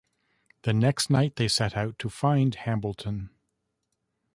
The next night they set out to find Hambleton.